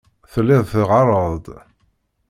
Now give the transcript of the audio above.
Telliḍ teɣɣareḍ-d.